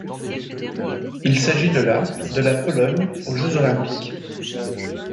Il s'agit de la de la Pologne aux Jeux olympiques.